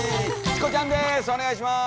チコちゃんです。